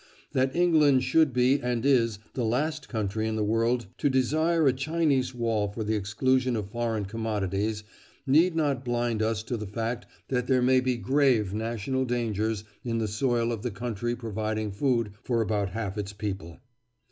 That England should be, and is, the last country in the world to desire a Chinese wall for the exclusion of foreign commodities, need not blind us to the fact that there may be grave national dangers in the soil of the country providing food for about half its people.